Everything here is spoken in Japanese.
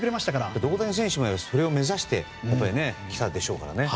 大谷選手もそれを目指してきたでしょうからね。